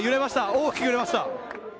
大きく揺れました。